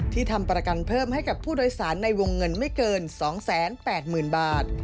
ทำประกันเพิ่มให้กับผู้โดยสารในวงเงินไม่เกิน๒๘๐๐๐บาท